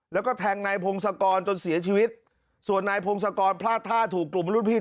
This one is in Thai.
แล้วก็แทงนายพงศกรจนเสียชีวิตส่วนนายพงศกรพลาดท่าถูกกลุ่มรุ่นพี่